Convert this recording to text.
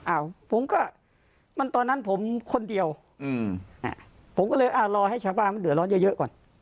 อ้าวผมก็มันตอนนั้นผมคนเดียวอืมอ่าผมก็เลยอ่ารอให้ชาวบ้านมันเดือดร้อนเยอะก่อน